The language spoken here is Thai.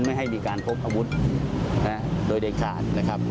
ไม่ให้มีการพบอาวุธโดยเด็ดขาดนะครับ